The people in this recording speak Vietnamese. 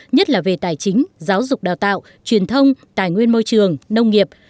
nhất là về tài chính giáo dục đào tạo truyền thông tài nguyên môi trường nông nghiệp